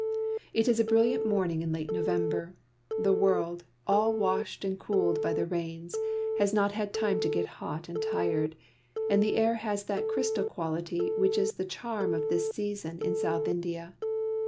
It is a brilliant morning in late November. The world, all washed and cooled by the rains, has not had time to get hot and tired, and the air has that crystal quality which is the charm of this season in South India.